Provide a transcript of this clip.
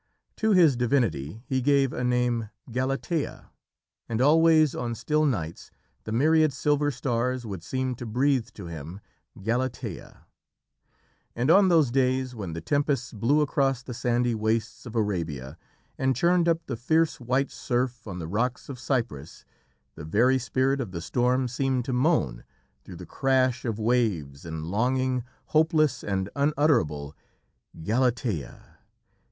To his divinity he gave a name "Galatea"; and always on still nights the myriad silver stars would seem to breathe to him "Galatea" ... and on those days when the tempests blew across the sandy wastes of Arabia and churned up the fierce white surf on the rocks of Cyprus, the very spirit of the storm seemed to moan through the crash of waves in longing, hopeless and unutterable "Galatea!...